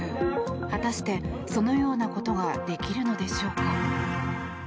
果たして、そのようなことができるのでしょうか？